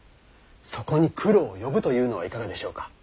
そこに九郎を呼ぶというのはいかがでしょうか。